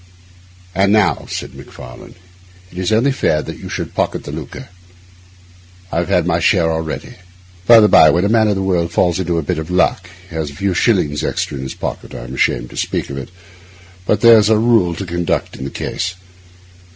'And now,' said Macfarlane, 'it's only fair that you should pocket the lucre. I've had my share already. By the bye, when a man of the world falls into a bit of luck, has a few shillings extra in his pocket—I'm ashamed to speak of it, but there's a rule of conduct in the case.